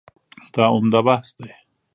دا عمده بحث دی.